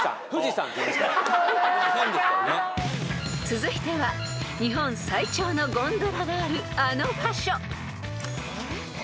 ［続いては日本最長のゴンドラがあるあの場所］